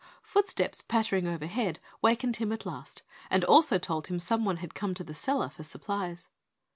Footsteps pattering overhead wakened him at last, and also told him someone had come to the cellar for supplies.